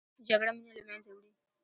جګړه مینه له منځه وړي